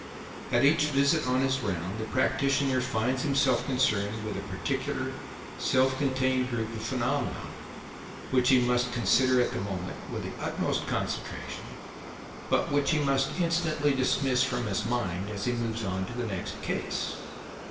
At each visit on his round, the practitioner finds himself concerned with a particular, self contained group of phenomena which he must consider at the moment with the utmost concentration, but which he must instantly dismiss from his mind as he moves on to the next case.